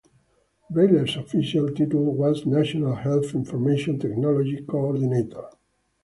Brailer's official title was National Health Information Technology Coordinator.